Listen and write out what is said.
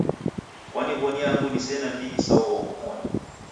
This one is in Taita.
Kwaniw'onia angu nisene ndighi sa oho kumoni.